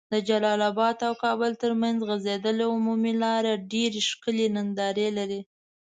د جلال اباد او کابل تر منځ غځيدلي عمومي لار ډيري ښکلي ننداري لرې